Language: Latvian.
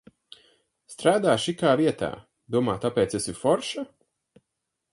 Strādā šikā vietā, domā, tāpēc esi forša.